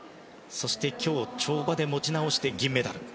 そして、今日跳馬で持ち直して銀メダル。